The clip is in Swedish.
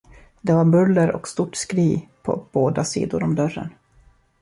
Det var buller och stort skri på båda sidor om dörren.